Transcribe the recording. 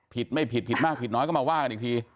ผิดไม่ผิดผิดมากผิดน้อยก็มาว่ากันอีกที